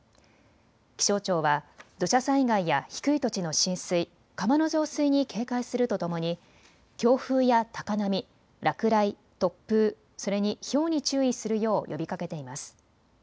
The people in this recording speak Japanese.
気象庁は土砂災害や低い土地の浸水、川の増水に警戒するとともに強風や高波、落雷、突風、それにひょうに注意するよう呼びかけています。